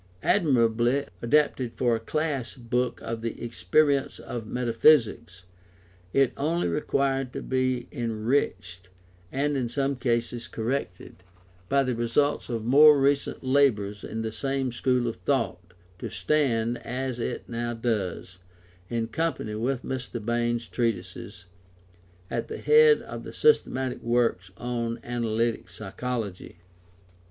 Admirably adapted for a class book of the Experience Metaphysics, it only required to be enriched, and in some cases corrected, by the results of more recent labours in the same school of thought, to stand, as it now does, in company with Mr. Bain's treatises, at the head of the systematic works on Analytic psychology.